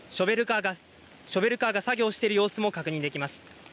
ショベルカーが作業している様子も確認できます。